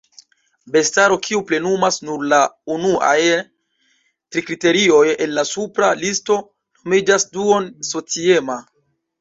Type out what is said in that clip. Bestaro, kiu plenumas nur la unuajn tri kriteriojn el la supra listo, nomiĝas duon-sociema.